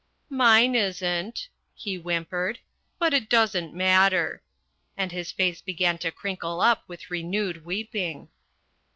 "Mine isn't," he whimpered, "but it doesn't matter," and his face began to crinkle up with renewed weeping.